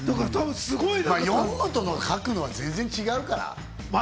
読むのと書くのは全然違うから。